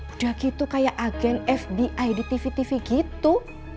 udah gitu kayak agen fbi di tv tv gitu